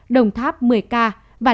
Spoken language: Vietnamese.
đồng tháp một mươi ca